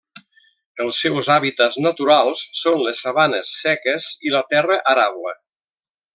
Els seus hàbitats naturals són les sabanes seques i la terra arable.